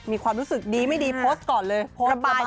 มีความรู้สึกดีไม่ดีโพสต์ก่อนเลย